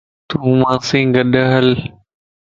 تون مان سين گڏھل